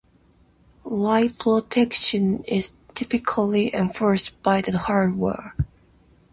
Write-protection is typically enforced by the hardware.